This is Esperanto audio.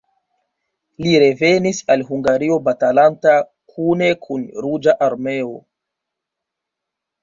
Li revenis al Hungario batalanta kune kun Ruĝa Armeo.